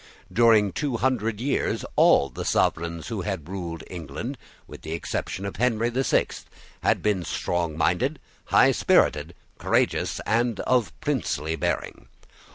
During two hundred years all the sovereigns who had ruled England, with the exception of Henry the Sixth, had been strongminded, highspirited, courageous, and of princely bearing.